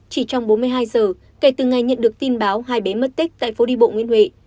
chỉ trong bốn mươi hai giờ kể từ ngày nhận được tin báo hai bé mất tích tại phố đi bộ nguyễn huệ